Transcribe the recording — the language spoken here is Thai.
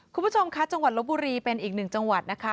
คุณผู้ชมค่ะจังหวัดลบบุรีเป็นอีกหนึ่งจังหวัดนะคะ